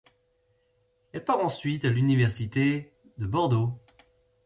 Elle part ensuite à l'Université de Bordeaux.